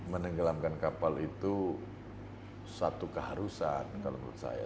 menenggelamkan kapal itu satu keharusan kalau menurut saya